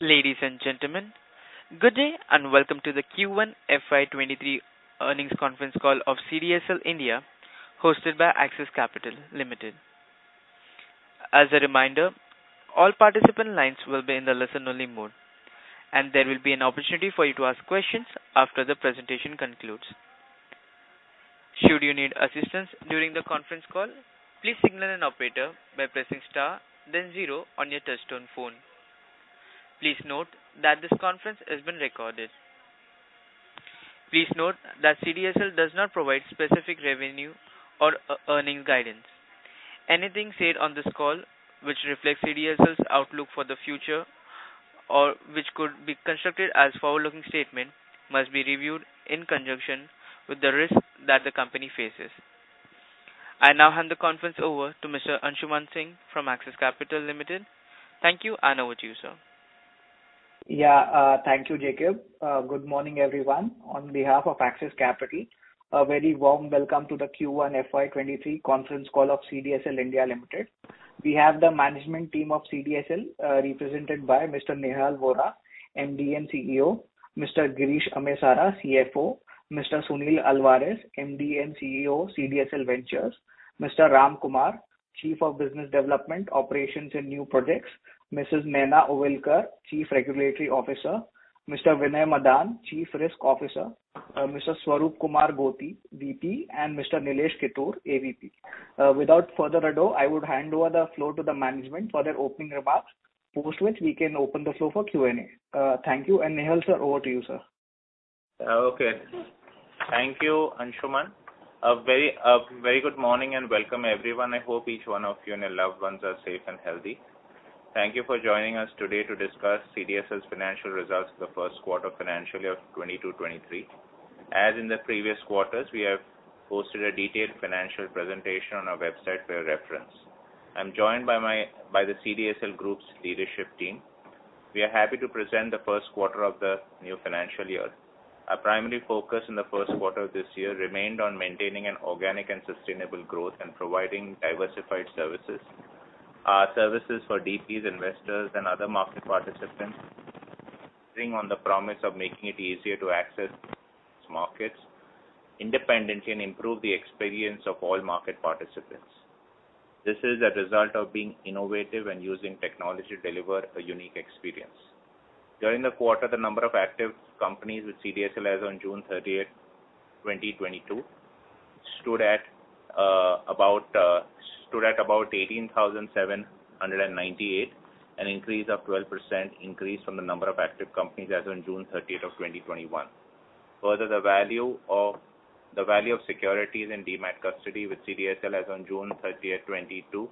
Ladies and gentlemen, good day, and welcome to the Q1 FY 2023 earnings conference call of CDSL India, hosted by Axis Capital Limited. As a reminder, all participant lines will be in the listen-only mode, and there will be an opportunity for you to ask questions after the presentation concludes. Should you need assistance during the conference call, please signal an operator by pressing star then zero on your touchtone phone. Please note that this conference is being recorded. Please note that CDSL does not provide specific revenue or earnings guidance. Anything said on this call which reflects CDSL's outlook for the future or which could be construed as forward-looking statement must be reviewed in conjunction with the risks that the company faces. I now hand the conference over to Mr. Anshuman Singh from Axis Capital Limited. Thank you, and over to you, sir. Yeah. Thank you, Jacob. Good morning, everyone. On behalf of Axis Capital, a very warm welcome to the Q1 FY 2023 conference call of CDSL India Limited. We have the management team of CDSL, represented by Mr. Nehal Vora, MD and CEO, Mr. Girish Amesara, CFO, Mr. Sunil Alvares, MD and CEO, CDSL Ventures, Mr. Ram Kumar, Chief of Business Development, Operations and New Projects, Mrs. Nayana Ovalekar, Chief Regulatory Officer, Mr. Vinay Madan, Chief Risk Officer, Mr. Swaroopkumar Gothi, VP, and Mr. Nilesh Kittur, AVP. Without further ado, I would hand over the floor to the management for their opening remarks, post which we can open the floor for Q&A. Thank you. Nehal, sir, over to you, sir. Okay. Thank you, Anshuman. A very good morning and welcome, everyone. I hope each one of you and your loved ones are safe and healthy. Thank you for joining us today to discuss CDSL's financial results for the first quarter financial year of 2022/2023. As in the previous quarters, we have posted a detailed financial presentation on our website for your reference. I'm joined by the CDSL group's leadership team. We are happy to present the first quarter of the new financial year. Our primary focus in the first quarter of this year remained on maintaining an organic and sustainable growth and providing diversified services. Our services for DPs, investors, and other market participants bring on the promise of making it easier to access markets independently and improve the experience of all market participants. This is a result of being innovative and using technology to deliver a unique experience. During the quarter, the number of active companies with CDSL as on June 30th, 2022 stood at about 18,798, an increase of 12% from the number of active companies as on June thirtieth of 2021. Further, the value of securities in demat custody with CDSL as on June thirtieth, 2022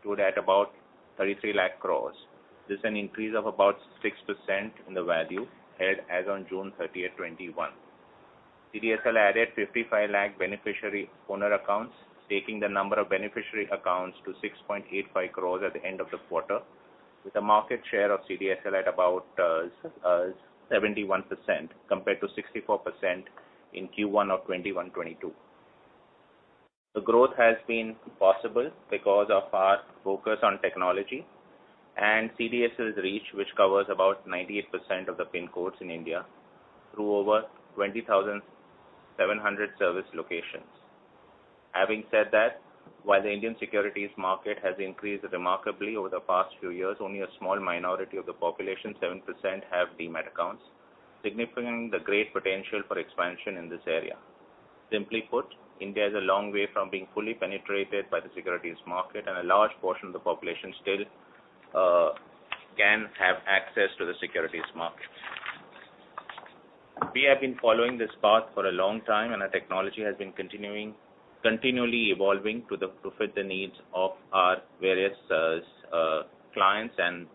stood at about 33 lakh crore. This is an increase of about 6% in the value as on June thirtieth, 2021. CDSL added 55 lakh Beneficial Owner accounts, taking the number of beneficiary accounts to 6.85 crores at the end of the quarter, with a market share of CDSL at about 71% compared to 64% in Q1 of 2021/2022. The growth has been possible because of our focus on technology and CDSL's reach, which covers about 98% of the pin codes in India through over 20,700 service locations. Having said that, while the Indian securities market has increased remarkably over the past few years, only a small minority of the population, 7%, have demat accounts, signifying the great potential for expansion in this area. Simply put, India is a long way from being fully penetrated by the securities market, and a large portion of the population still can have access to the securities market. We have been following this path for a long time, and our technology has been continually evolving to fit the needs of our various clients and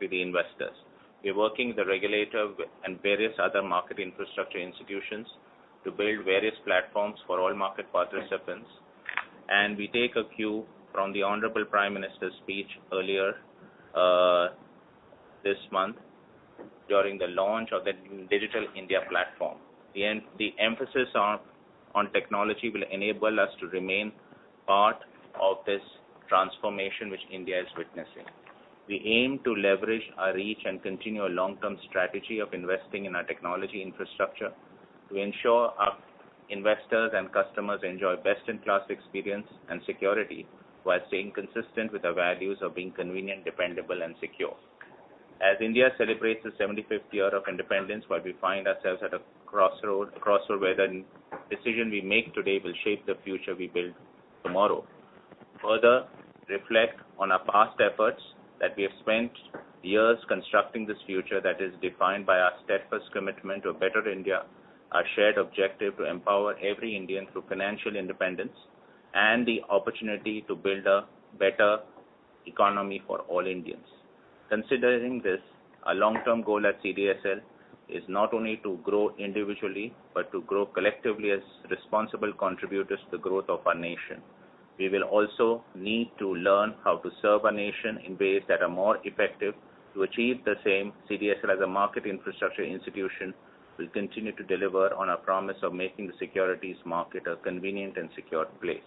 the investors. We are working with the regulator and various other market infrastructure institutions to build various platforms for all market participants. We take a cue from the Honorable Prime Minister's speech earlier this month during the launch of the Digital India platform. The emphasis on technology will enable us to remain part of this transformation which India is witnessing. We aim to leverage our reach and continue a long-term strategy of investing in our technology infrastructure to ensure our investors and customers enjoy best-in-class experience and security while staying consistent with the values of being convenient, dependable, and secure. As India celebrates the 75th year of independence, while we find ourselves at a crossroad, a crossover, the decision we make today will shape the future we build tomorrow. Further, reflect on our past efforts that we have spent years constructing this future that is defined by our steadfast commitment to a better India, our shared objective to empower every Indian through financial independence, and the opportunity to build a better economy for all Indians. Considering this, our long-term goal at CDSL is not only to grow individually, but to grow collectively as responsible contributors to the growth of our nation. We will also need to learn how to serve our nation in ways that are more effective to achieve the same. CDSL as a market infrastructure institution will continue to deliver on our promise of making the securities market a convenient and secure place.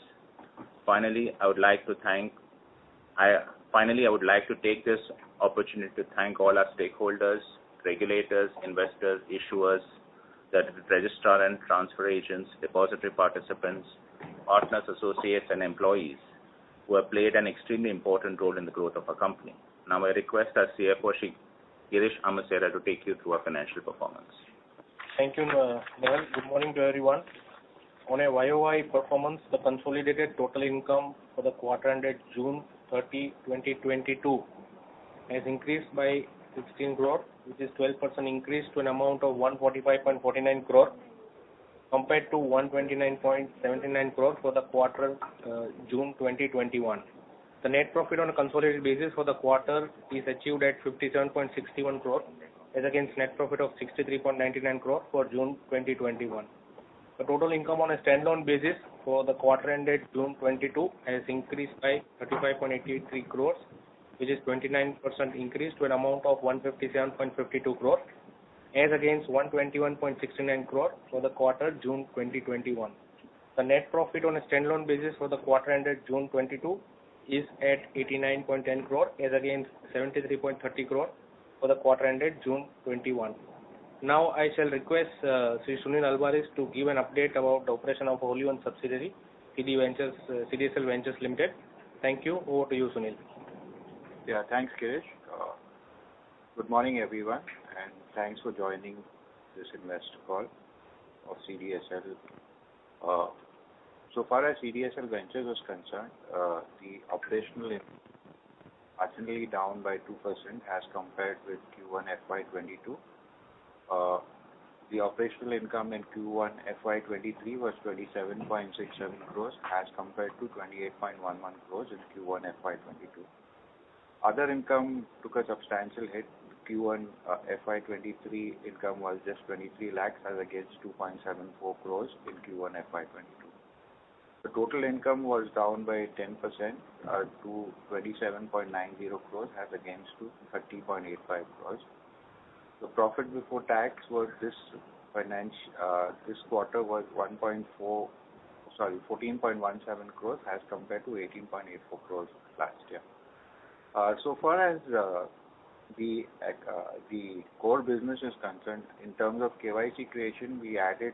Finally, I would like to take this opportunity to thank all our stakeholders, regulators, investors, issuers, the registrar and transfer agents, depository participants, partners, associates and employees who have played an extremely important role in the growth of our company. Now I request our CFO, Shri Girish Amesara, to take you through our financial performance. Thank you, Nehal Vora. Good morning to everyone. On a YoY performance, the consolidated total income for the quarter ended June 30, 2022 has increased by 16 crore, which is 12% increase to an amount of 145.49 crore compared to 129.79 crore for the quarter, June 2021. The net profit on a consolidated basis for the quarter is achieved at 57.61 crore as against net profit of 63.99 crore for June 2021. The total income on a standalone basis for the quarter ended June 2022 has increased by 35.83 crore, which is 29% increase to an amount of 157.52 crore as against 121.69 crore for the quarter June 2021. The net profit on a standalone basis for the quarter ended June 2022 is at 89.10 crore as against 73.30 crore for the quarter ended June 2021. Now I shall request Shri Sunil Alvares to give an update about the operation of wholly owned subsidiary, CDSL Ventures Limited. Thank you. Over to you Sunil. Yeah, thanks, Girish. Good morning, everyone, and thanks for joining this investor call of CDSL. So far as CDSL Ventures is concerned, the operational income is simply down by 2% as compared with Q1 FY 2022. The operational income in Q1 FY 2023 was 27.67 crores as compared to 28.11 crores in Q1 FY 2022. Other income took a substantial hit. Q1 FY 2023 income was just 23 lakhs as against 2.74 crores in Q1 FY 2022. The total income was down by 10% to 27.90 crores as against 30.85 crores. The profit before tax this quarter was 14.17 crores as compared to 18.84 crores last year. So far as the core business is concerned, in terms of KYC creation, we added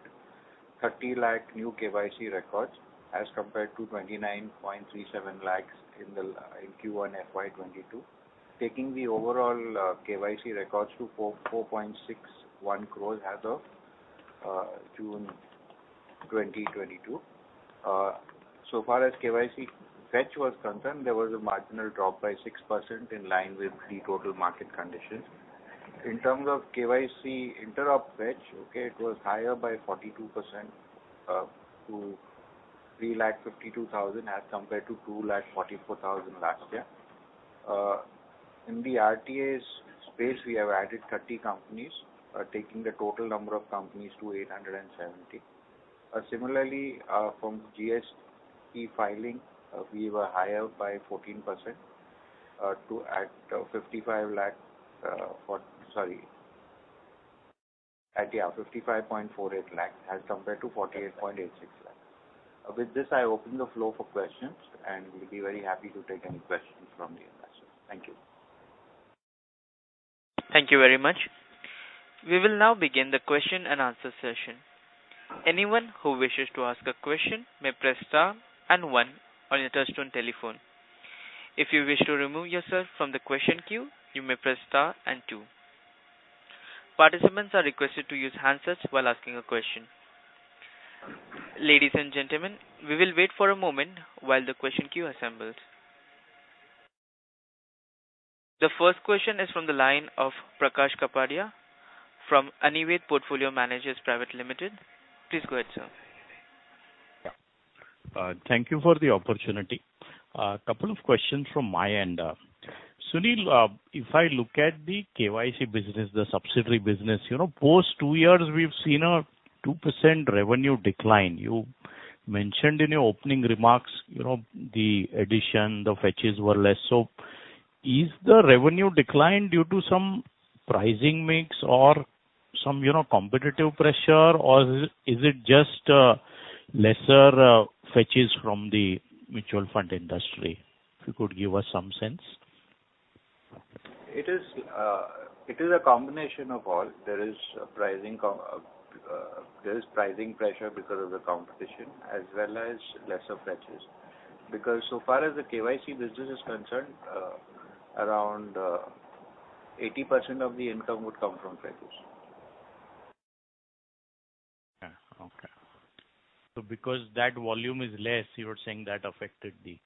30 lakh new KYC records as compared to 29.37 lakhs in Q1 FY 2022. Taking the overall KYC records to 4.61 crores as of June 2022. So far as KYC fetch was concerned, there was a marginal drop by 6% in line with the total market conditions. In terms of KYC interop fetch, it was higher by 42% to 3.52 lakh as compared to 2.44 lakh last year. In the RTAs space, we have added 30 companies, taking the total number of companies to 870. Similarly, from GST filing, we were higher by 14% to 55.48 lakh as compared to 48.86 lakh. With this, I open the floor for questions, and we'll be very happy to take any questions from the investors. Thank you. Thank you very much. We will now begin the question and answer session. Anyone who wishes to ask a question may press star and one on your touchtone telephone. If you wish to remove yourself from the question queue, you may press star and two. Participants are requested to use handsets while asking a question. Ladies and gentlemen, we will wait for a moment while the question queue assembles. The first question is from the line of Prakash Kapadia from Anived Portfolio Managers Private Limited. Please go ahead sir. Thank you for the opportunity. Couple of questions from my end. Sunil, if I look at the KYC business, the subsidiary business, you know, post two years, we've seen a 2% revenue decline. You mentioned in your opening remarks, you know, the addition, the fetches were less. Is the revenue decline due to some pricing mix or some, you know, competitive pressure, or is it just lesser fetches from the mutual fund industry? If you could give us some sense. It is a combination of all. There is pricing pressure because of the competition as well as lesser fetches. Because so far as the KYC business is concerned, around 80% of the income would come from fetches. Yeah. Okay. Because that volume is less, you're saying that affected the-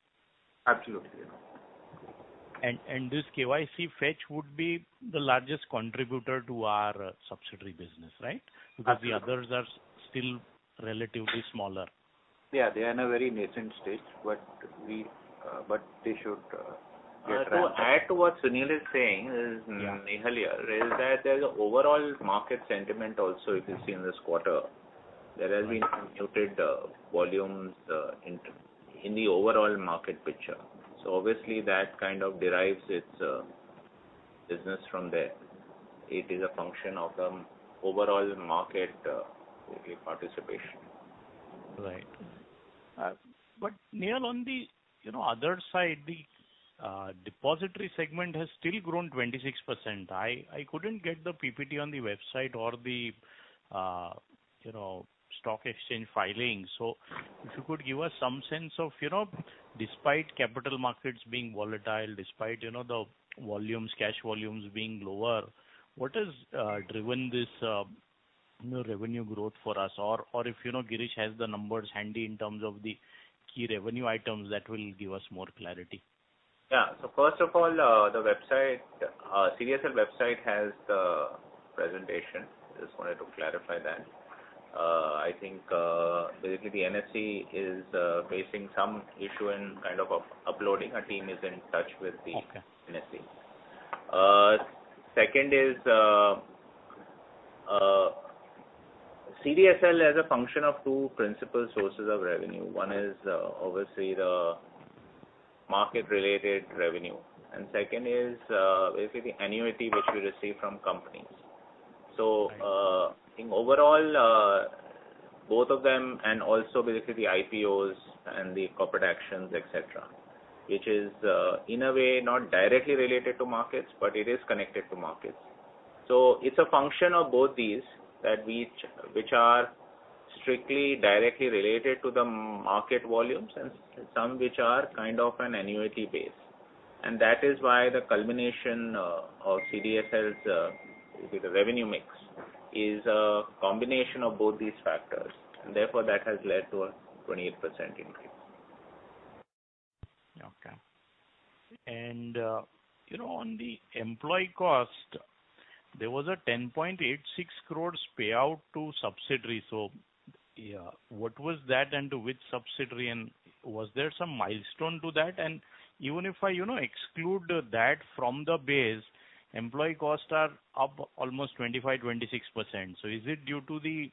Absolutely, yeah. This KYC fetch would be the largest contributor to our subsidiary business, right? Absolutely. Because the others are still relatively smaller. Yeah. They are in a very nascent stage, but they should get traction. To add to what Sunil is saying. Yeah. The issue here is that there's overall market sentiment also if you see in this quarter. There has been muted volumes in the overall market picture. Obviously that kind of derives its business from there. It is a function of the overall market participation. Right. Nehal on the, you know, other side, the depository segment has still grown 26%. I couldn't get the PPT on the website or the, you know, stock exchange filings. If you could give us some sense of, you know, despite capital markets being volatile, despite, you know, the volumes, cash volumes being lower, what has driven this, you know, revenue growth for us? If you know Girish has the numbers handy in terms of the key revenue items that will give us more clarity. Yeah. First of all, the website, CDSL website has the presentation. Just wanted to clarify that. I think, basically the NSE is facing some issue in kind of uploading. Our team is in touch with the- Okay. NSE. Second is, CDSL has two principal sources of revenue. One is obviously the market-related revenue. Second is basically the annuity which we receive from companies. Right. I think overall, both of them and also basically the IPOs and the corporate actions, et cetera, which is in a way not directly related to markets, but it is connected to markets. It's a function of both these which are strictly directly related to the market volumes and some which are kind of an annuity base. That is why the culmination of CDSL's the revenue mix is a combination of both these factors, and therefore that has led to a 28% increase. Okay. You know, on the employee cost, there was a 10.86 crores payout to subsidiaries. What was that and to which subsidiary and was there some milestone to that? Even if I, you know, exclude that from the base, employee costs are up almost 25%-26%. Is it due to the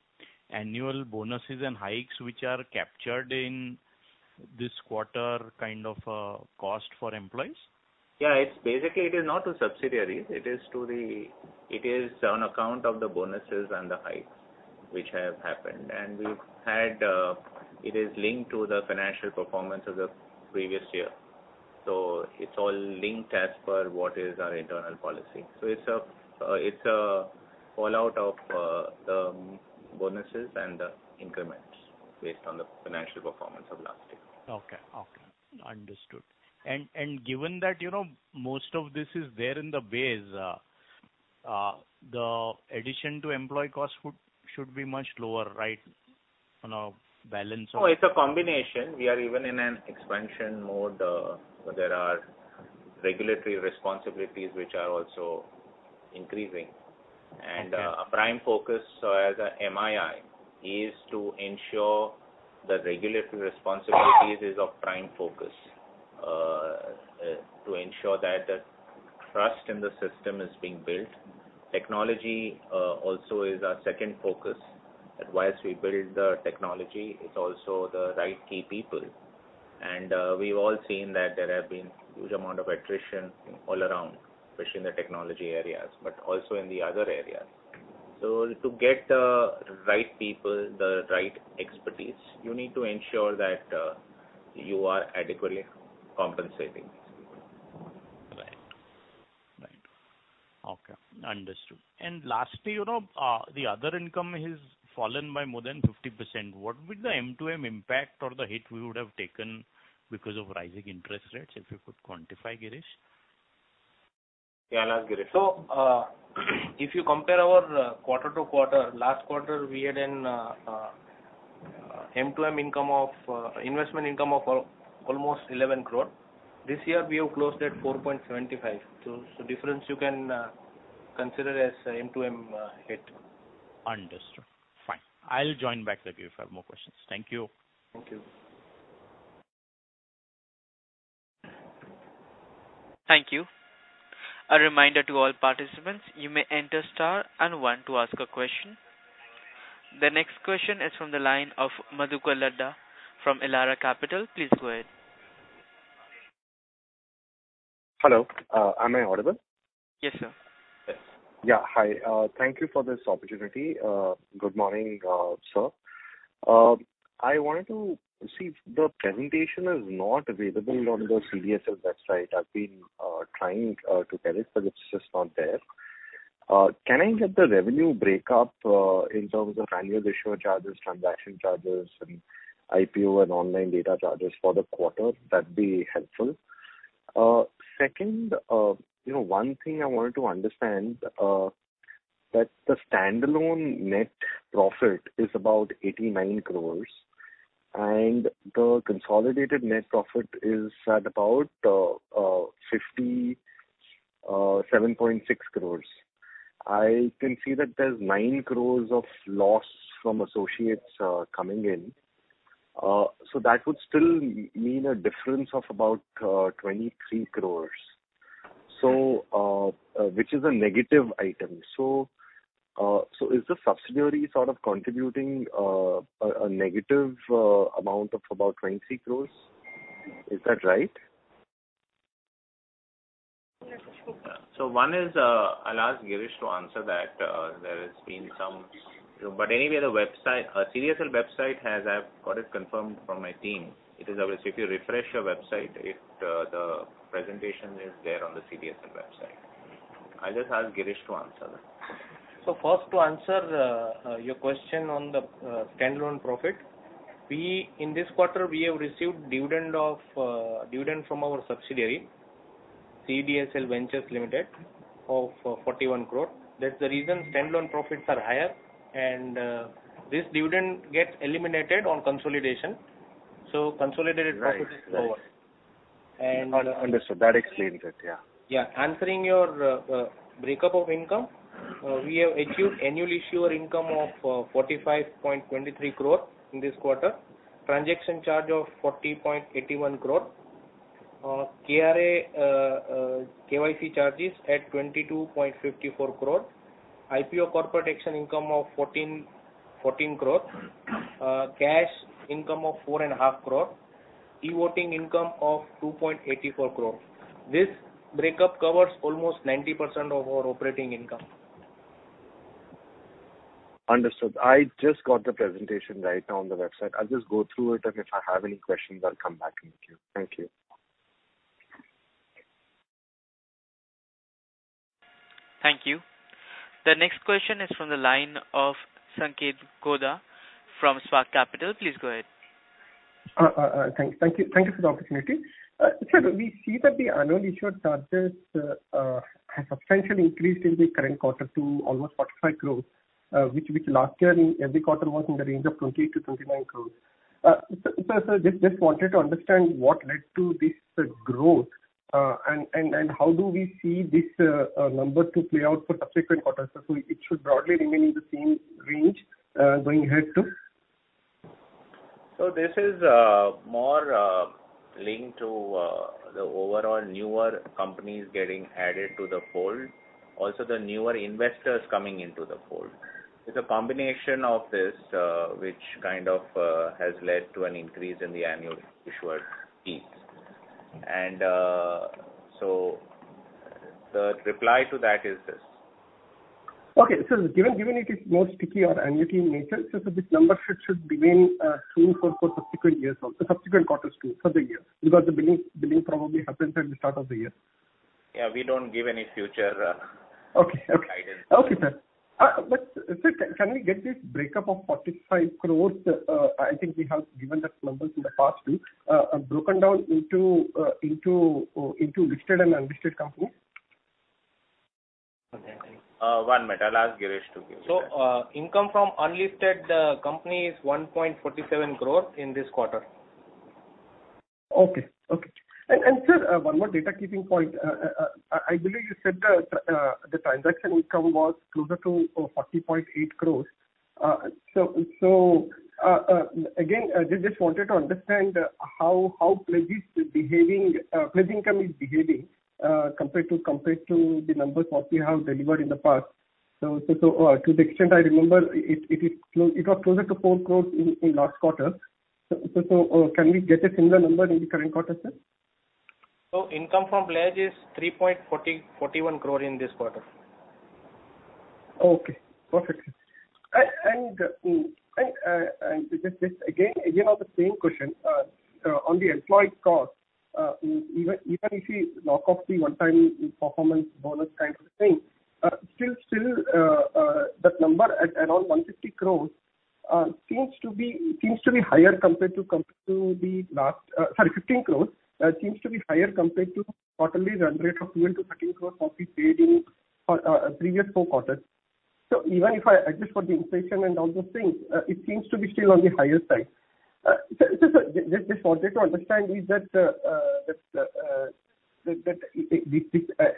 annual bonuses and hikes which are captured in this quarter kind of cost for employees? Yeah. It's basically not to subsidiaries. It is on account of the bonuses and the hikes which have happened. It is linked to the financial performance of the previous year. It's all linked as per what is our internal policy. It's a fallout of the bonuses and the increments based on the financial performance of last year. Okay. Understood. Given that, you know, most of this is there in the base, the addition to employee costs should be much lower, right? You know, balance of. No, it's a combination. We are even in an expansion mode. There are regulatory responsibilities which are also increasing. Okay. Our prime focus as a MII is to ensure the regulatory responsibilities is of prime focus. To ensure that the trust in the system is being built. Technology also is our second focus. That whilst we build the technology, it's also the right key people. We've all seen that there have been huge amount of attrition all around, especially in the technology areas, but also in the other areas. To get the right people, the right expertise, you need to ensure that you are adequately compensating these people. Right. Okay. Understood. Lastly, you know, the other income has fallen by more than 50%. What would the mark-to-market impact or the hit we would have taken because of rising interest rates, if you could quantify, Girish? Yeah. I'll ask Girish. If you compare our quarter-over-quarter, last quarter we had an Mark-to-Market income of investment income of almost 11 crore. This year we have closed at 4.75. Difference you can consider as mark-to- arket hit. Understood. Fine. I'll join back with you if I have more questions. Thank you. Thank you. Thank you. A reminder to all participants, you may enter star and one to ask a question. The next question is from the line of Madhukar Ladha from Elara Capital, please go ahead. Hello. Am I audible? Yes, sir. Yes. Yeah. Hi. Thank you for this opportunity. Good morning, sir. I wanted to see if the presentation is not available on the CDSL website. I've been trying to get it, but it's just not there. Can I get the revenue break up in terms of Annual Issuer Charges, Transaction Charges, and IPO and online data charges for the quarter. That'd be helpful. Second, you know, one thing I wanted to understand, that the standalone net profit is about 89 crore and the consolidated net profit is at about 57.6 crore. I can see that there's 9 crore of loss from associates coming in. That would still mean a difference of about 23 crore. Which is a negative item. Is the subsidiary sort of contributing a negative amount of about 23 crore? Is that right? One is, I'll ask Girish to answer that. Anyway, the website, CDSL website has. I've got it confirmed from my team. If you refresh your website, it, the presentation is there on the CDSL website. I'll just ask Girish to answer that. First, to answer your question on the standalone profit. In this quarter, we have received dividend from our subsidiary, CDSL Ventures Limited, of 41 crore. That's the reason standalone profits are higher. This dividend gets eliminated on consolidation. Consolidated profit is lower. Right. Right. And, uh- Understood. That explains it, yeah. Yeah. Answering your breakup of income, we have achieved annual issuer income of 45.23 crore in this quarter. Transaction charge of 40.81 crore. KRA KYC charges at 22.54 crore. IPO corporate action income of 14 crore. Cash income of four and a half crore. E-voting income of 2.84 crore. This breakup covers almost 90% of our operating income. Understood. I just got the presentation right now on the website. I'll just go through it, and if I have any questions I'll come back to you. Thank you. Thank you. The next question is from the line of Sanketh Godha from Spark Capital, please go ahead. Thank you for the opportunity. Sir, we see that the Annual Issuer Charges have substantially increased in the current quarter to almost 45 crores. Which last year in every quarter was in the range of 20-29 crores. Sir, just wanted to understand what led to this growth. How do we see this number to play out for subsequent quarters? It should broadly remain in the same range going ahead too? This is more linked to the overall newer companies getting added to the fold. Also, the newer investors coming into the fold. It's a combination of this, which kind of has led to an increase in the annual issuer fees. The reply to that is this. Okay. Given it is more sticky or annuity in nature, so this number should remain same for subsequent years also, subsequent quarters too for the year. Because the billing probably happens at the start of the year. Yeah, we don't give any future. Okay. Okay -Guidance. Okay, sir. Sir, can we get this breakup of 45 crores? I think we have given the numbers in the past too, broken down into listed and unlisted companies. Okay. One minute. I'll ask Girish to give you that. Income from unlisted company is 1.47 crore in this quarter. Sir, one more data point. I believe you said the transaction income was closer to 40.8 crores. Again, just wanted to understand how pledge is behaving, pledge income is behaving, compared to the numbers what we have delivered in the past. To the extent I remember it was closer to 4 crores in last quarter. Can we get a similar number in the current quarter, sir? Income from pledge is 341 crore in this quarter. Okay. Perfect. Just again on the same question, on the employee cost, even if we knock off the one-time performance bonus kind of a thing, still that number at around 15 crores seems to be higher compared to the quarterly run rate of 12-13 crores what we paid in previous four quarters. Even if I adjust for the inflation and all those things, it seems to be still on the higher side. Sir, just wanted to understand is that this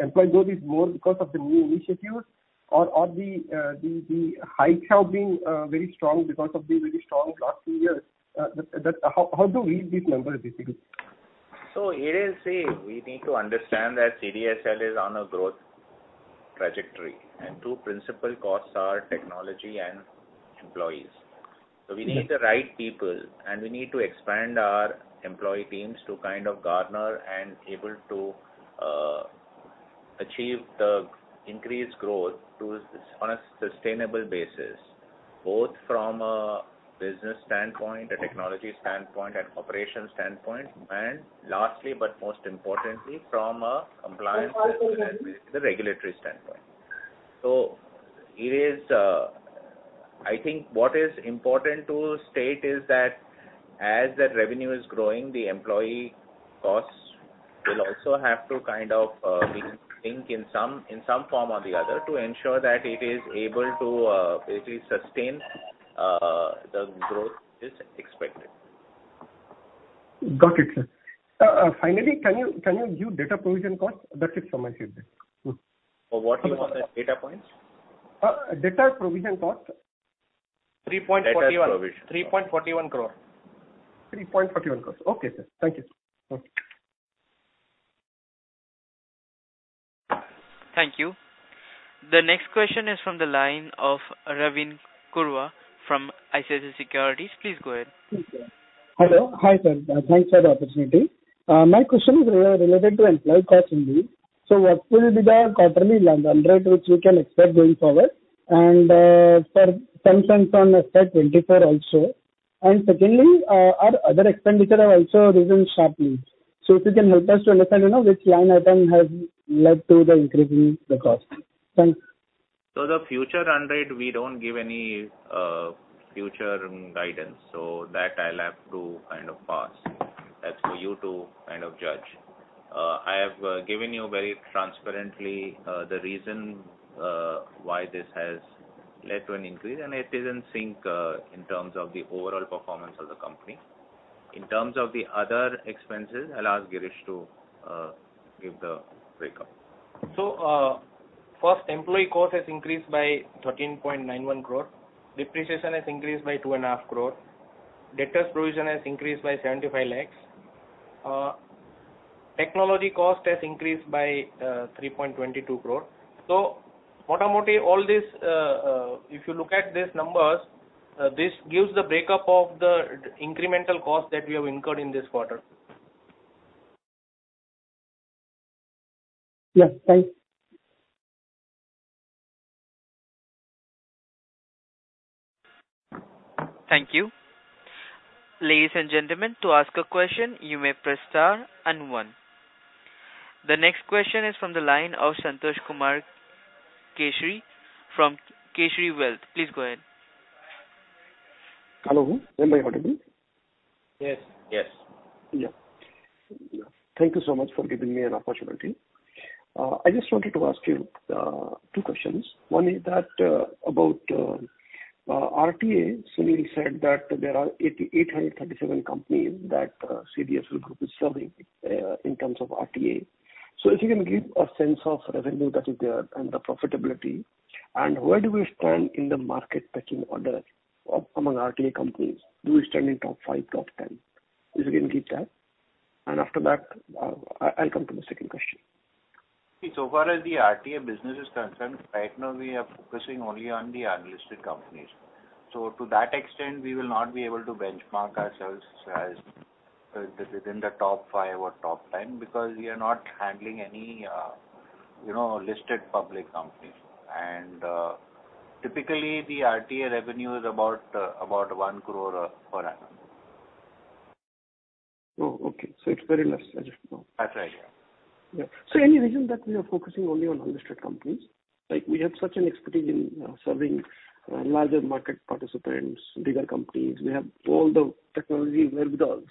employee growth is more because of the new initiatives or the hike have been very strong because of the very strong last few years. How do we read these numbers basically? It is safe to say we need to understand that CDSL is on a growth trajectory, and two principal costs are technology and employees. Mm-hmm. We need the right people, and we need to expand our employee teams to kind of garner and able to achieve the increased growth on a sustainable basis, both from a business standpoint, a technology standpoint and operation standpoint, and lastly, but most importantly from a compliance and regulatory standpoint. It is, I think what is important to state is that as that revenue is growing, the employee costs will also have to kind of link in some form or the other to ensure that it is able to basically sustain the growth which is expected. Got it, sir. Finally, can you give data provision cost? That's it from my side then. What do you want as data points? Data provision cost. Data provision cost. 3.41 crore. 3.41 crores. Okay, sir. Thank you. Okay. Thank you. The next question is from the line of Ravin Kurwa from ICICI Securities, please go ahead. Hello. Hi, sir. Thanks for the opportunity. My question is related to employee cost indeed. What will be the quarterly run rate which we can expect going forward? For some sense on FY 2024 also. Secondly, our other expenditure have also risen sharply. If you can help us to understand, you know, which line item has led to the increase in the cost. Thanks. The future run rate, we don't give any, future guidance, so that I'll have to kind of pass. That's for you to kind of judge. I have given you very transparently the reason why this has led to an increase, and it is in sync in terms of the overall performance of the company. In terms of the other expenses, I'll ask Girish to give the breakup. First employee cost has increased by 13.91 crore. Depreciation has increased by two and a half crore. Debtors' provision has increased by 75 lakhs. Technology cost has increased by 3.22 crore. Bottom line, all this, if you look at these numbers, this gives the breakup of the incremental cost that we have incurred in this quarter. Yeah, thanks. Thank you. Ladies and gentlemen, to ask a question, you may press star and one. The next question is from the line of Santosh Kumar Keshari from Keshari Wealth, please go ahead. Hello. Am I audible? Yes. Yes. Yeah. Thank you so much for giving me an opportunity. I just wanted to ask you two questions. One is that about RTA. Sunil said that there are 837 companies that CDSL group is serving in terms of RTA. If you can give a sense of revenue that is there and the profitability, and where do we stand in the market pecking order or among RTA companies? Do we stand in top five, top ten? If you can give that. After that, I'll come to my second question. Far as the RTA business is concerned, right now we are focusing only on the unlisted companies. To that extent, we will not be able to benchmark ourselves as within the top five or top 10 because we are not handling any, you know, listed public companies. Typically the RTA revenue is about 1 crore per annum. Oh, okay. It's very less adjustment. That's right, yeah. Yeah. Any reason that we are focusing only on unlisted companies? Like we have such an expertise in serving larger market participants, bigger companies. We have all the technology well with us.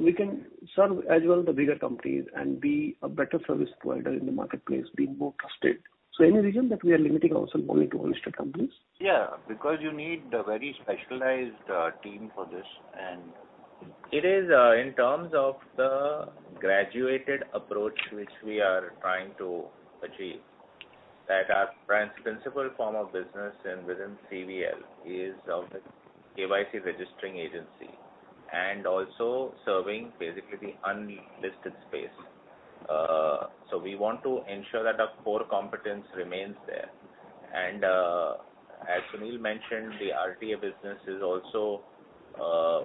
We can serve as well the bigger companies and be a better service provider in the marketplace, being more trusted. Any reason that we are limiting ourself only to unlisted companies? Yeah, because you need a very specialized team for this. It is in terms of the graduated approach which we are trying to achieve, that our principal form of business and within CVL is of the KYC Registration Agency and also serving basically the unlisted space. We want to ensure that our core competence remains there. As Sunil mentioned, the RTA business is also a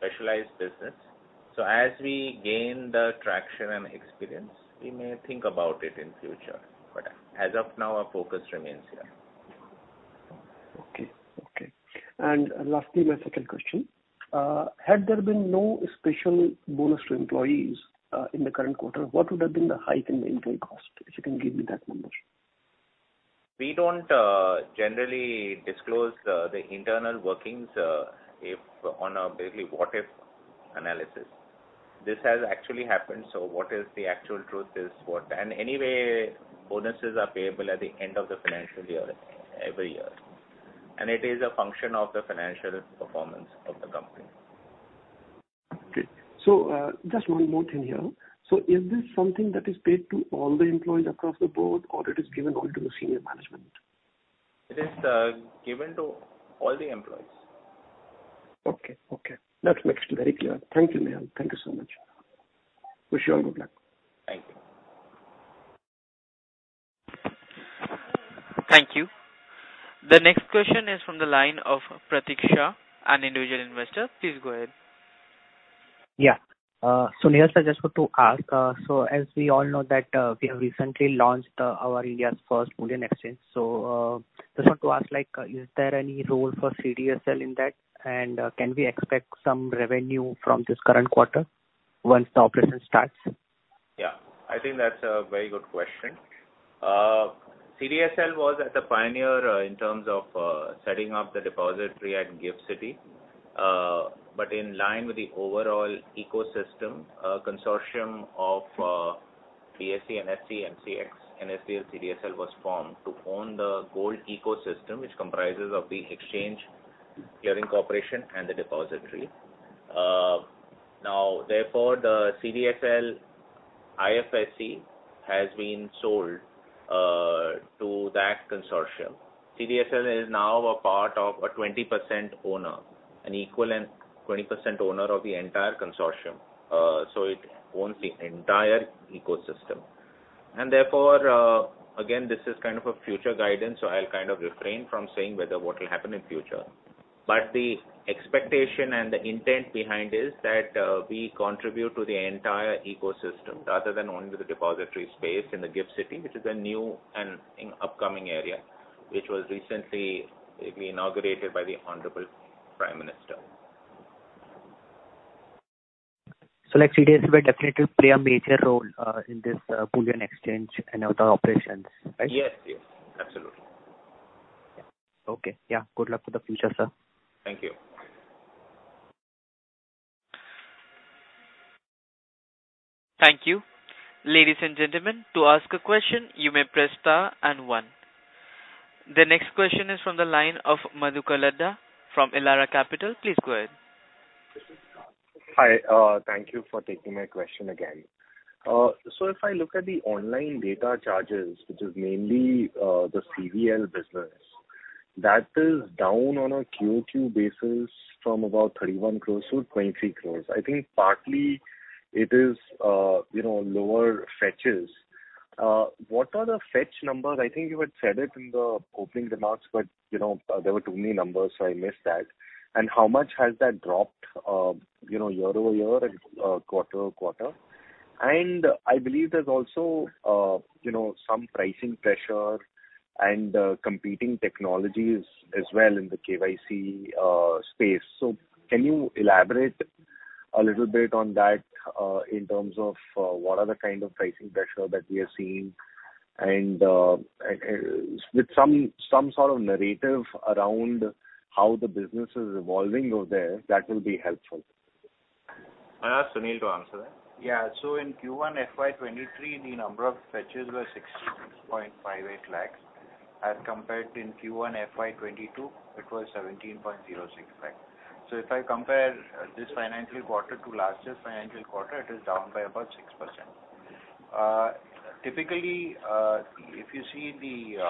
very specialized business. As we gain the traction and experience, we may think about it in future. As of now, our focus remains here. Lastly, my second question. Had there been no special bonus to employees in the current quarter, what would have been the hike in the employee cost? If you can give me that number. We don't generally disclose the internal workings if it's a basically what-if analysis. This has actually happened, so what is the actual truth is what. Anyway, bonuses are payable at the end of the financial year every year. It is a function of the financial performance of the company. Okay. Just one more thing here. Is this something that is paid to all the employees across the board, or it is given only to the senior management? It is given to all the employees. Okay. Okay. That makes it very clear. Thank you, Nehal. Thank you so much. Wish you all good luck. Thank you. Thank you. The next question is from the line of Pratiksha, an individual investor. please go ahead. Nehal, I just want to ask, so as we all know that we have recently launched our India's first bullion exchange. Just want to ask, like, is there any role for CDSL in that? Can we expect some revenue from this current quarter once the operation starts? Yeah. I think that's a very good question. CDSL was the pioneer in terms of setting up the depository at GIFT City. But in line with the overall ecosystem, a consortium of BSE, NSE, MCX, NSDL, CDSL was formed to own the gold ecosystem, which comprises of the exchange, clearing corporation and the depository. Now therefore, the CDSL IFSC has been sold to that consortium. CDSL is now a part of a 20% owner, an equivalent 20% owner of the entire consortium. So it owns the entire ecosystem. Therefore, again, this is kind of a future guidance, so I'll kind of refrain from saying what will happen in future. The expectation and the intent behind is that we contribute to the entire ecosystem rather than owning the depository space in the GIFT City, which is a new and upcoming area, which was recently inaugurated by the Honorable Prime Minister. Like CDSL will definitely play a major role in this bullion exchange and other operations, right? Yes. Yes. Absolutely. Okay. Yeah. Good luck for the future, sir. Thank you. Thank you. Ladies and gentlemen, to ask a question, you may press star and one. The next question is from the line of Madhukar Ladha from Elara Capital, please go ahead. Hi, thank you for taking my question again. If I look at the online data charges, which is mainly the CVL business, that is down on a QOQ basis from about 31 crores to 23 crores. I think partly it is, you know, lower fetches. What are the fetch numbers? I think you had said it in the opening remarks, but, you know, there were too many numbers, so I missed that. How much has that dropped, you know, year-over-year and quarter-over-quarter? I believe there's also, you know, some pricing pressure and competing technologies as well in the KYC space. Can you elaborate a little bit on that, in terms of what are the kind of pricing pressure that we are seeing and with some sort of narrative around how the business is evolving over there, that will be helpful. I'll ask Sunil to answer that. Yeah. In Q1 FY 2023, the number of fetches were 66.58 lakhs. As compared in Q1 FY 2022, it was 17.06 lakhs. If I compare this financial quarter to last year's financial quarter, it is down by about 6%. Typically, if you see the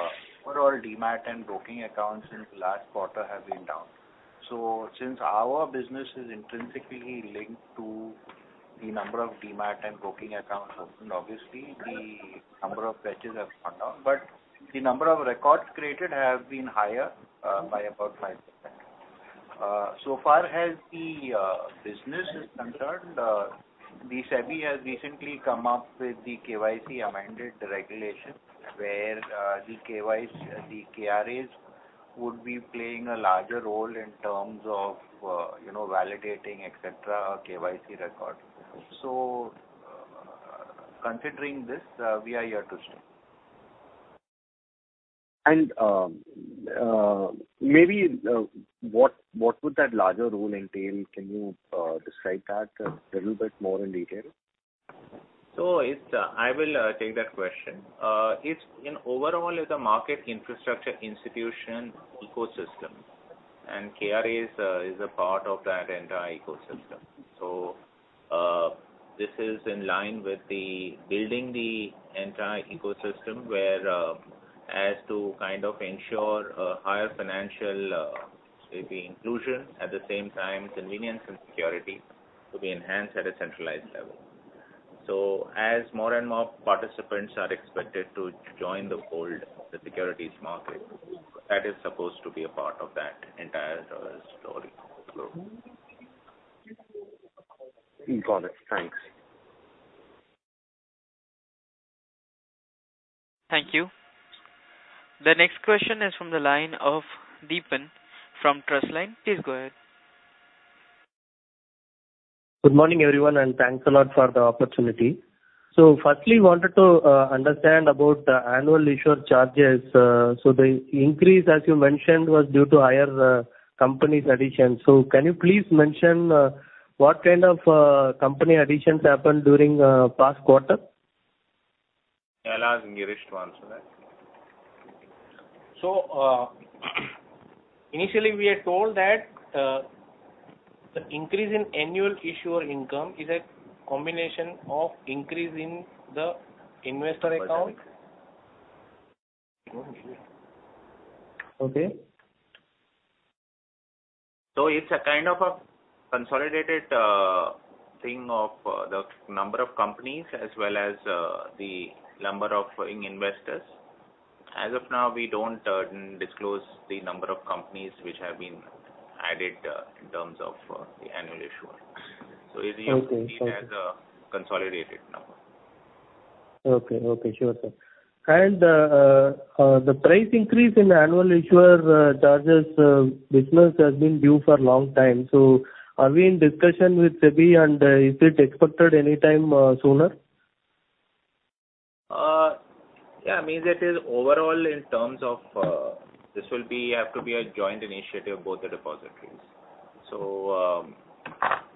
overall demat and broking accounts since last quarter have been down. Since our business is intrinsically linked to the number of demat and broking accounts, obviously the number of fetches have gone down. But the number of records created have been higher by about 5%. So far as the business is concerned, the SEBI has recently come up with the KYC amended regulation, where the KRAs would be playing a larger role in terms of you know, validating, et cetera, KYC records. Considering this, we are here to stay. Maybe what would that larger role entail? Can you describe that a little bit more in detail? I will take that question. It's an overall market infrastructure institution ecosystem, and KRA is a part of that entire ecosystem. This is in line with building the entire ecosystem which is to kind of ensure higher financial inclusion, at the same time, convenience and security to be enhanced at a centralized level. As more and more participants are expected to join the fold of the securities market, that is supposed to be a part of that entire story. Got it. Thanks. Thank you. The next question is from the line of Deepan from Trustline, please go ahead Good morning, everyone, and thanks a lot for the opportunity. Firstly, wanted to understand about the Annual Issuer Charges. The increase, as you mentioned, was due to higher company additions. Can you please mention what kind of company additions happened during past quarter? I'll ask Girish to answer that. Initially we are told that the increase in annual issuer income is a combination of increase in the investor account. Okay. It's a kind of a consolidated thing of the number of companies as well as the number of paying investors. As of now, we don't disclose the number of companies which have been added in terms of the annual issuer. Okay. It is as a consolidated number. Okay. Sure, sir. The price increase in annual issuer charges business has been due for a long time. Are we in discussion with SEBI and is it expected anytime sooner? Yeah, I mean, that is overall in terms of this will have to be a joint initiative, both the depositories.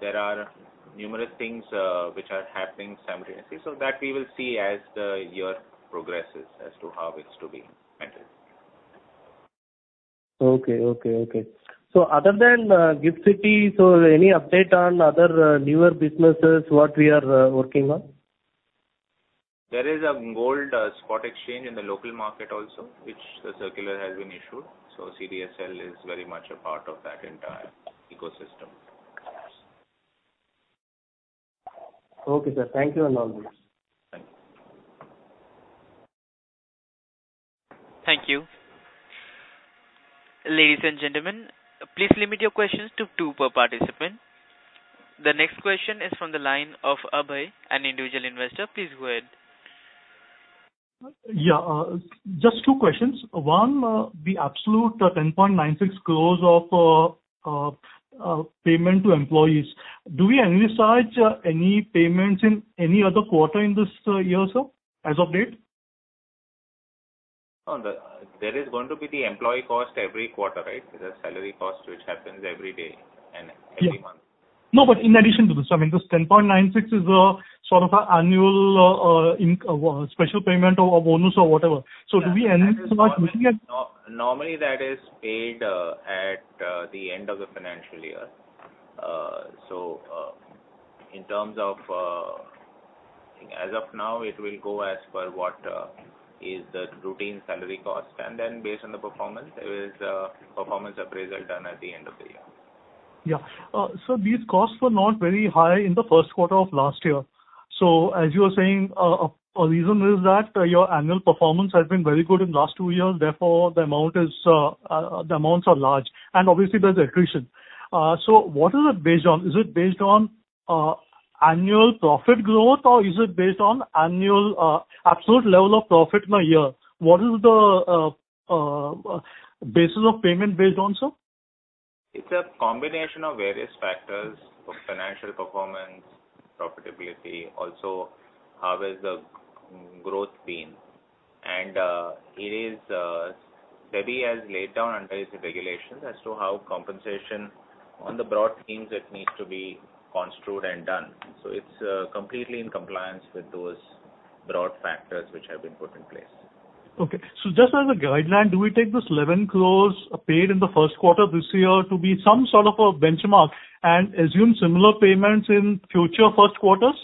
There are numerous things which are happening simultaneously, so that we will see as the year progresses as to how it's to be handled. Okay. Other than GIFT City, any update on other newer businesses what we are working on? There is a gold spot exchange in the local market also, which the circular has been issued. CDSL is very much a part of that entire ecosystem. Okay, sir. Thank you and all this. Thank you. Thank you. Ladies and gentlemen, please limit your questions to two per participant. The next question is from the line of Abhay, an individual investor, please go ahead. Yeah, just two questions. One, the absolute 10.96 crore of payment to employees. Do we anticipate any payments in any other quarter in this year, sir, as of date? No, there is going to be the employee cost every quarter, right? There's a salary cost which happens every day and every month. Yeah. No, in addition to this, I mean, this 10.96 is a sort of annual, special payment or bonus or whatever. Do we anticipate- Normally that is paid at the end of the financial year. In terms of, as of now, it will go as per what is the routine salary cost. Based on the performance, there is a performance appraisal done at the end of the year. These costs were not very high in the first quarter of last year. As you were saying, a reason is that your annual performance has been very good in the last two years, therefore the amounts are large and obviously there's accretion. What is it based on? Is it based on annual profit growth or is it based on annual absolute level of profit in a year? What is the basis of payment based on, sir? It's a combination of various factors of financial performance, profitability. Also, how has the growth been. It is SEBI has laid down under its regulations as to how compensation on the broad schemes that needs to be construed and done. It's completely in compliance with those broad factors which have been put in place. Okay. Just as a guideline, do we take this 11 crore paid in the first quarter this year to be some sort of a benchmark and assume similar payments in future first quarters?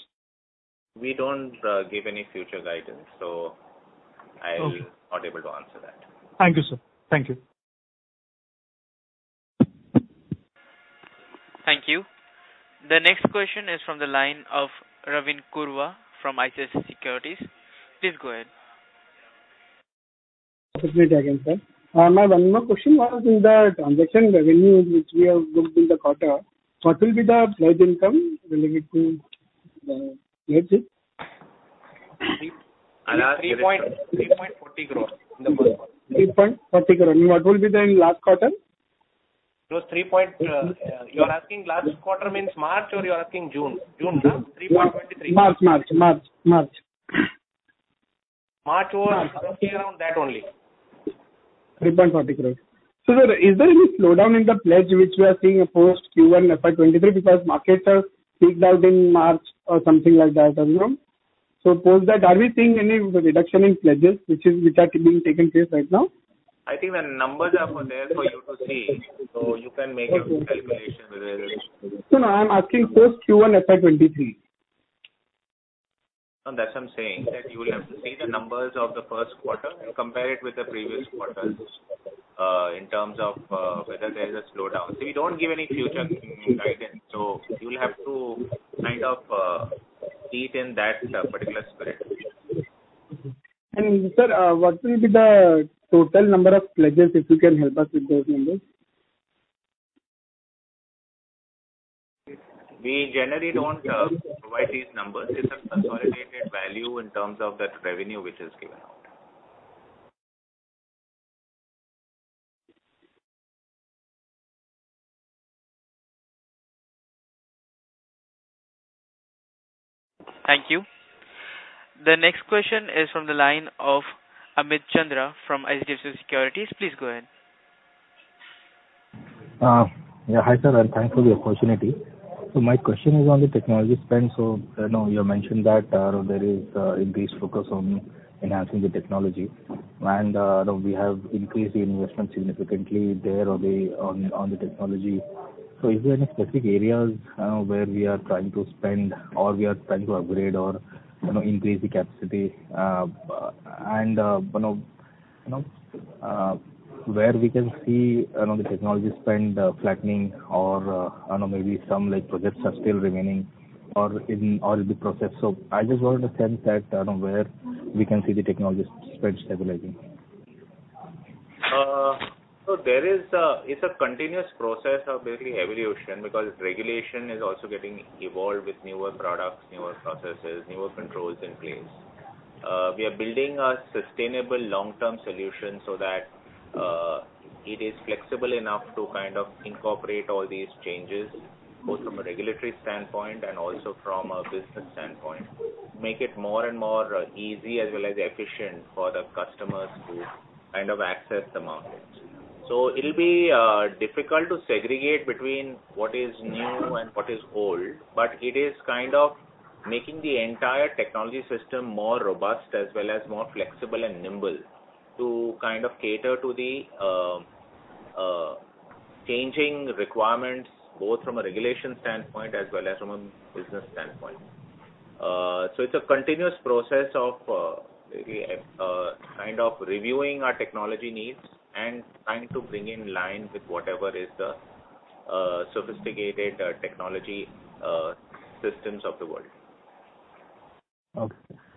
We don't give any future guidance, so I. Okay. I am not able to answer that. Thank you, sir. Thank you. Thank you. The next question is from the line of Ravin Kurwa from ICICI Securities, please go ahead. Opportunity again, sir. My one more question was in the transaction revenue which we have booked in the quarter, what will be the pledge income related to the pledge fee? INR 3.340 crores in the first quarter. INR 3.40 crore. What will be there in last quarter? It was 3 crore. You are asking last quarter means March or you are asking June? June na? 3.23%. March. March was roughly around that only. 3.40 crores. Sir, is there any slowdown in the pledge which we are seeing post Q1 FY 2023 because markets are peaked out in March or something like that as you know. Post that, are we seeing any reduction in pledges which are being taken place right now? I think the numbers are there for you to see, so you can make your own calculation whether there is. No, no. I'm asking post Q1 FY 2023. No, that's what I'm saying, that you will have to see the numbers of the first quarter and compare it with the previous quarters, in terms of, whether there is a slowdown. We don't give any future guidance, so you'll have to kind of see it in that particular spirit. Sir, what will be the total number of pledges, if you can help us with those numbers? We generally don't provide these numbers. It's a consolidated value in terms of that revenue which is given out. Thank you. The next question is from the line of Amit Chandra from ICICI Securities, please go ahead. Yeah. Hi, sir, and thanks for the opportunity. My question is on the technology spend. I know you have mentioned that there is increased focus on enhancing the technology. You know, we have increased the investment significantly there on the technology. Is there any specific areas where we are trying to spend or we are trying to upgrade or, you know, increase the capacity? You know, where we can see the technology spend flattening or I don't know, maybe some like projects are still remaining or in the process. I just want a sense that, I don't know, where we can see the technology spend stabilizing. It's a continuous process of basically evolution because regulation is also getting evolved with newer products, newer processes, newer controls in place. We are building a sustainable long-term solution so that it is flexible enough to kind of incorporate all these changes, both from a regulatory standpoint and also from a business standpoint, make it more and more easy as well as efficient for the customers to kind of access the markets. It'll be difficult to segregate between what is new and what is old, but it is kind of making the entire technology system more robust as well as more flexible and nimble to kind of cater to the changing requirements, both from a regulation standpoint as well as from a business standpoint. It's a continuous process of kind of reviewing our technology needs and trying to bring in line with whatever is the sophisticated technology systems of the world.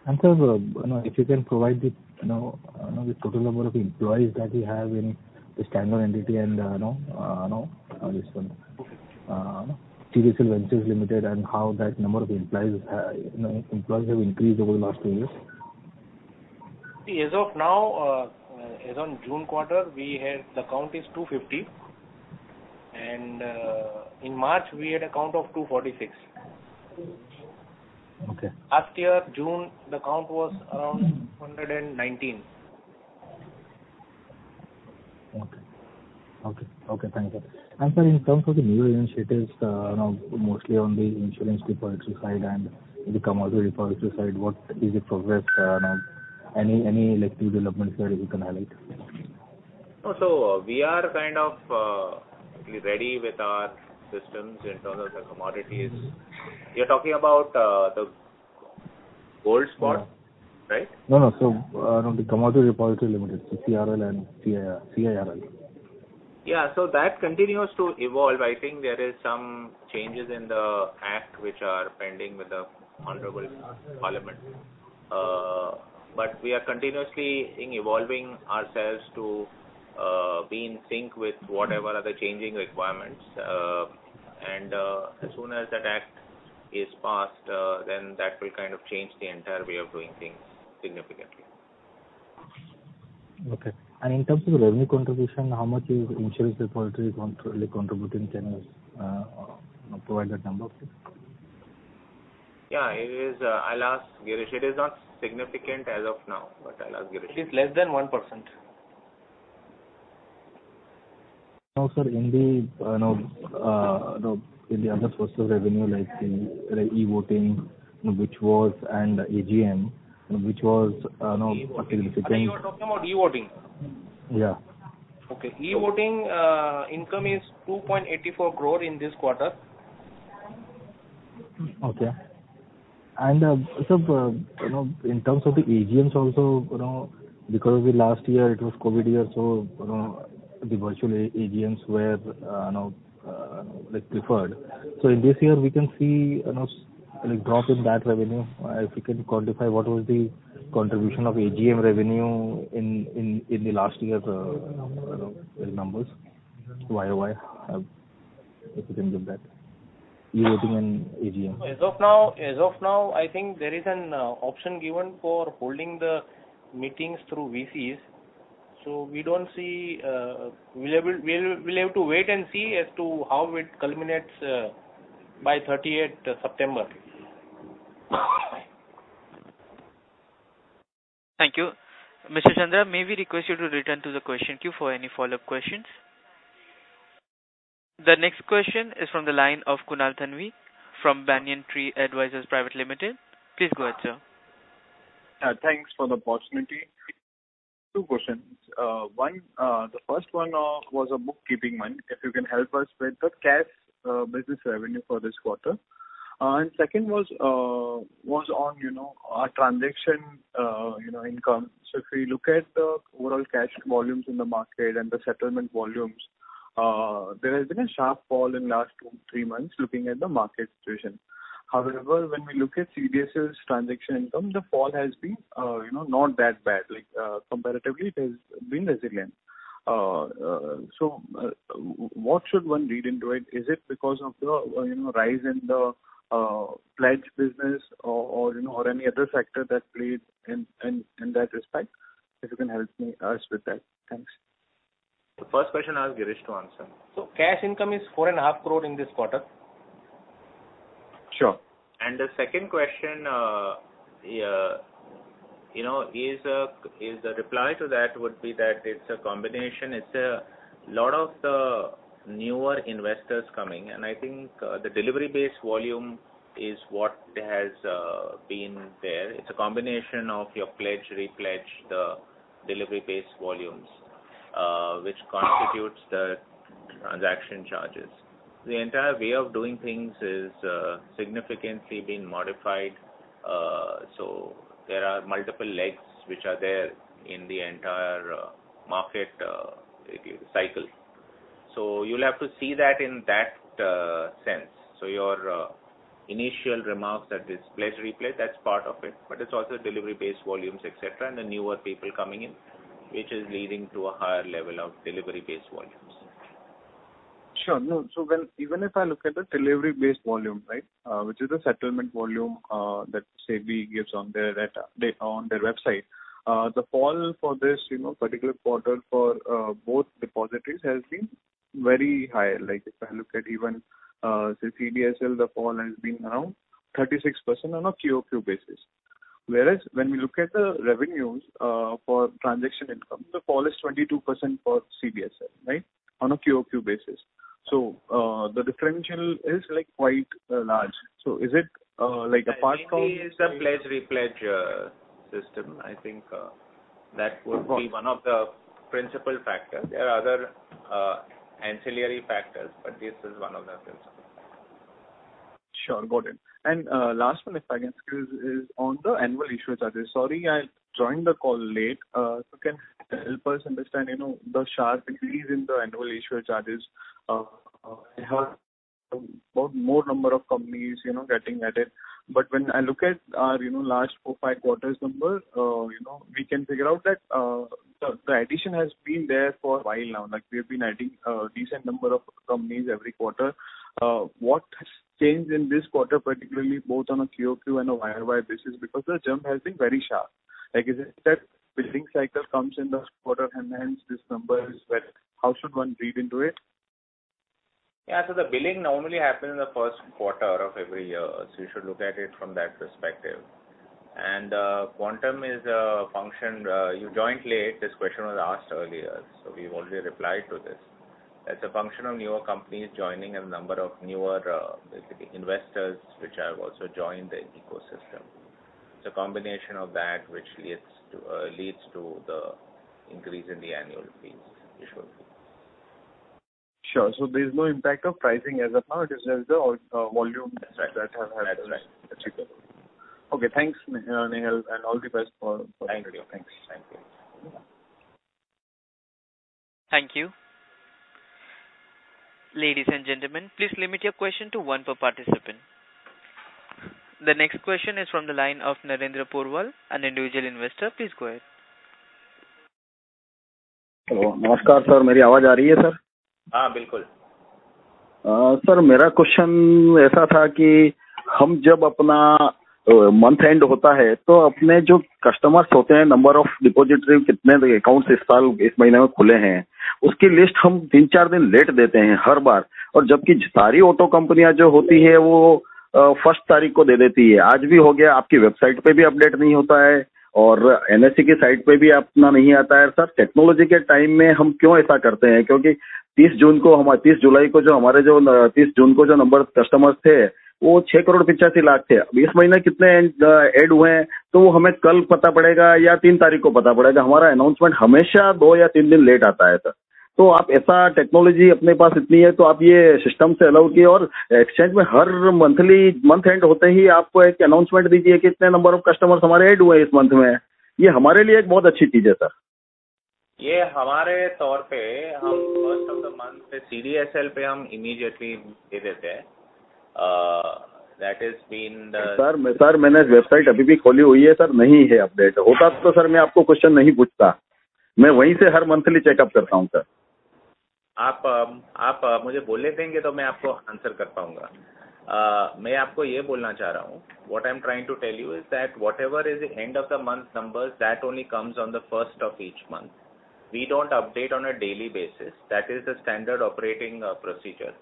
Okay. Sir, if you can provide the, you know, the total number of employees that you have in the standard entity and, you know, this one, CDSL Ventures Limited, and how that number of employees have increased over the last two years. See, as of now, as on June quarter, we had the count is 250. In March, we had a count of 246. Okay. Last year, June, the count was around 119. Okay. Thank you, sir. Sir, in terms of the new initiatives, you know, mostly on the insurance repository side and the commodity repository side, what is the progress? Any like new developments there you can highlight? We are kind of ready with our systems in terms of the commodities. You're talking about the gold spot, right? No, no. The Commodity Repository Limited, so CRL and CIRL. Yeah. That continues to evolve. I think there is some changes in the act which are pending with the honorable Parliament. We are continuously, I think, evolving ourselves to be in sync with whatever are the changing requirements. As soon as that act is passed, then that will kind of change the entire way of doing things significantly. Okay. In terms of revenue contribution, how much is insurance repository really contributing? Can you provide that number, please? Yeah, it is. I'll ask Girish. It is not significant as of now, but I'll ask Girish. It is less than 1%. Now, sir, you know, in the other source of revenue like the e-voting, which was, and AGM, which was, you know, participating. I think you are talking about e-voting. Yeah. Okay. e-voting income is 2.84 crore in this quarter. Okay. You know, in terms of the AGMs also, you know, because the last year it was COVID year, you know, the virtual AGMs were, you know, like preferred. In this year, we can see, you know, like drop in that revenue. If you can quantify what was the contribution of AGM revenue in the last year's, you know, numbers, YoY, if you can give that, e-voting and AGM. As of now, I think there is an option given for holding the meetings through VCs. We don't see. We'll have to wait and see as to how it culminates by 30th September. Thank you. Mr. Chandra, may we request you to return to the question queue for any follow-up questions? The next question is from the line of Kunal Thanvi from Banyan Tree Advisors Private Limited, please go ahead, sir. Thanks for the opportunity. Two questions. The first one was a bookkeeping one, if you can help us with the cash business revenue for this quarter. The second was on, you know, transaction, you know, income. If we look at the overall cash volumes in the market and the settlement volumes, there has been a sharp fall in last two, three months looking at the market situation. However, when we look at CDSL's transaction income, the fall has been, you know, not that bad. Like, comparatively, it has been resilient. What should one read into it? Is it because of the, you know, rise in the pledge business or you know, or any other factor that played in that respect? If you can help us with that. Thanks. The first question I'll ask Girish to answer. Cash income is 4.5 crore in this quarter. Sure. The second question, you know, is the reply to that would be that it's a combination. It's a lot of the newer investors coming, and I think the delivery-based volume is what has been there. It's a combination of your pledge, re-pledge, the delivery-based volumes, which constitutes the transaction charges. The entire way of doing things is significantly being modified. There are multiple legs which are there in the entire market cycle. You'll have to see that in that sense. Your initial remarks that this pledge, re-pledge, that's part of it, but it's also delivery-based volumes, et cetera, and the newer people coming in, which is leading to a higher level of delivery-based volumes. Even if I look at the delivery-based volume, right, which is the settlement volume, that SEBI gives on their data on their website, the fall for this, you know, particular quarter for both depositories has been very high. Like, if I look at even say, CDSL, the fall has been around 36% on a QOQ basis. Whereas when we look at the revenues for transaction income, the fall is 22% for CDSL, right? On a QOQ basis. The differential is like quite large. Is it like a part count- Mainly it's a pledge re-pledge system. I think that would be one of the principal factors. There are other ancillary factors, but this is one of the principal factors. Sure. Got it. Last one, if I can, is on the Annual Issuer Charges. Sorry, I joined the call late. Can you help us understand, you know, the sharp increase in the Annual Issuer Charges? We have more number of companies, you know, getting added. When I look at our, you know, last four, five quarters number, you know, we can figure out that the addition has been there for a while now. Like, we've been adding a decent number of companies every quarter. What has changed in this quarter, particularly both on a QoQ and a YoY basis? Because the jump has been very sharp. Like, is it that billing cycle comes in the quarter and hence this number is what it is? How should one read into it? Yeah. The billing normally happens in the first quarter of every year. You should look at it from that perspective. Quantum is a function. You joined late. This question was asked earlier. We've already replied to this. As a function of newer companies joining and number of newer, basically investors which have also joined the ecosystem. It's a combination of that which leads to the increase in the annual issuer fees. There is no impact of pricing as of now. It is just the volume that has. Okay. Thanks, Nehal, and all the best for the video. Thank you. Thank you. Thank you. Ladies and gentlemen, please limit your question to one per participant. The next question is from the line of Narendra Porwal, an individual investor. Please go ahead. Hello. Namaskar, sir. Ha, bilkul. Sir, Sir, website update. Monthly checkup. What I'm trying to tell you is that whatever is the end of the month numbers that only comes on the first of each month. We don't update on a daily basis. That is the standard operating procedure,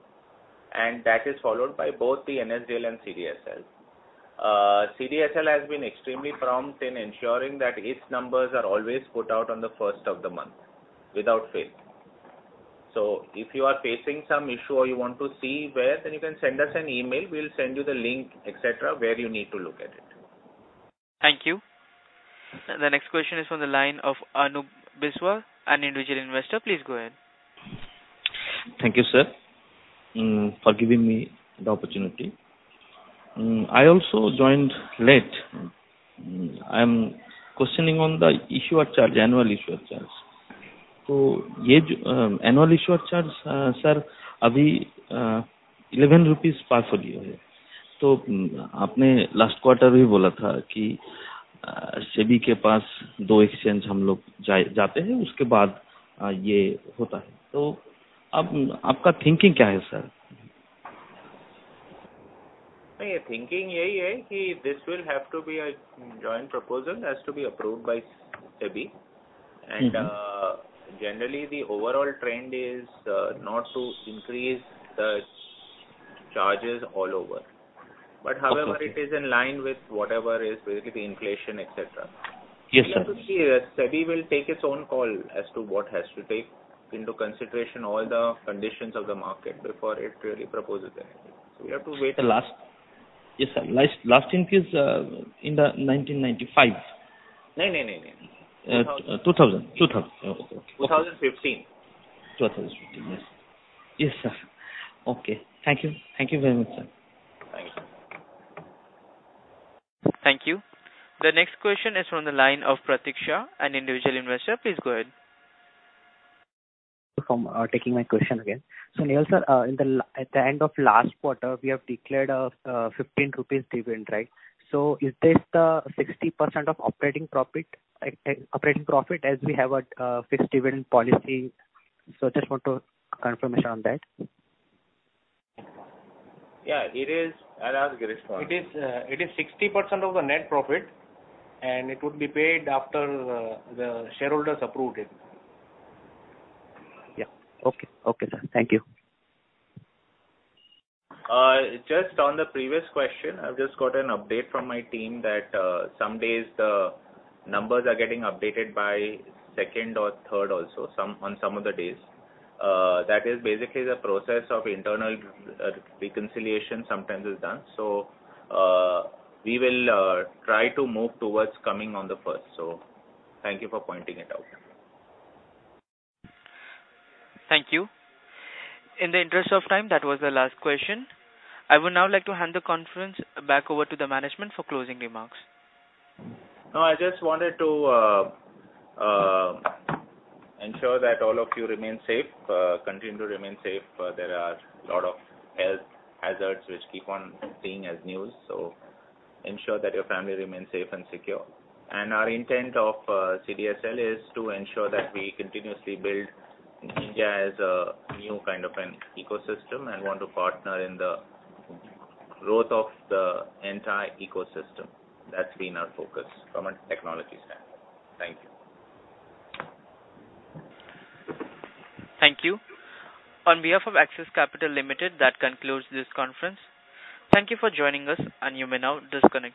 and that is followed by both the NSDL and CDSL. CDSL has been extremely prompt in ensuring that its numbers are always put out on the first of the month without fail. If you are facing some issue or you want to see where, then you can send us an email. We'll send you the link, etc., where you need to look at it. Thank you. The next question is from the line of Anup Biswas, an individual investor, please go ahead. Thank you, sir, for giving me the opportunity. I also joined late. I am questioning on the issuer charge, Annual Issuer Charge. The Annual Issuer Charge, sir, INR 11 per folio. Okay. However, it is in line with whatever is basically the inflation, etc. Yes, sir. We have to see. SEBI will take its own call as to what it has to take into consideration all the conditions of the market before it really proposes anything. We have to wait. The last- Yes, sir. Last increase in 1995. No. 2000. Oh, okay. 2015. 2015. Yes. Yes, sir. Okay. Thank you. Thank you very much, sir. Thank you. Thank you. The next question is from the line of Pratik Shah, an individual investor, please go ahead. Thank you for taking my question again. Nehal, sir, at the end of last quarter, we have declared 15 rupees dividend, right? Is this the 60% of operating profit as we have a fixed dividend policy? Just want a confirmation on that. Yeah, it is. I'll ask Girish for that. It is 60% of the net profit, and it would be paid after the shareholders approve it. Yeah. Okay. Okay, sir. Thank you. Just on the previous question, I've just got an update from my team that some days the numbers are getting updated by second or third also on some of the days. That is basically the process of internal reconciliation sometimes is done. We will try to move towards coming on the first. Thank you for pointing it out. Thank you. In the interest of time, that was the last question. I would now like to hand the conference back over to the management for closing remarks. No, I just wanted to ensure that all of you remain safe, continue to remain safe. There are a lot of health hazards which we keep on seeing in the news. Ensure that your family remains safe and secure. Our intent of CDSL is to ensure that we continuously build India as a new kind of an ecosystem and want to partner in the growth of the entire ecosystem. That's been our focus from a technology standpoint. Thank you. Thank you. On behalf of Axis Capital Limited, that concludes this conference. Thank you for joining us, and you may now disconnect your lines.